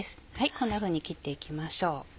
こんなふうに切っていきましょう。